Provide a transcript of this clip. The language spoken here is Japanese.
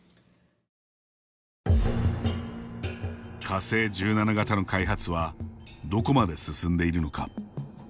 火星１７型の開発はどこまで進んでいるのか。